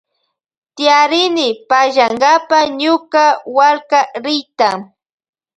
Tiyarini pallankapa ñuka wallkariyta.